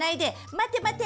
待て待て！